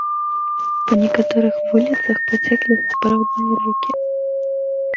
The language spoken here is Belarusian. Па некаторых вуліцах пацяклі сапраўдныя рэкі.